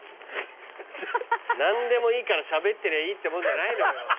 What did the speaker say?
何でもいいからしゃべってりゃいいってもんじゃないのよ。